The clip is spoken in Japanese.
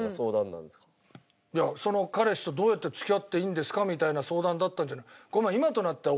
いやその彼氏とどうやって付き合っていいんですかみたいな相談だったんじゃない？